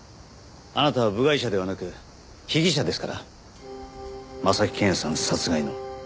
あなたは部外者ではなく被疑者ですから征木健也さん殺害の。